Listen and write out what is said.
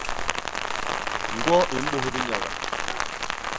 Ñgwo i mbôs binyaga.